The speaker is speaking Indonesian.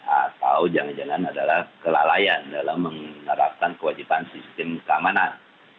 atau jangan jangan adalah kelalaian dalam menerapkan kewajiban sistem keamanan